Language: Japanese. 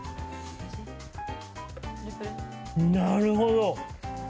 なるほど！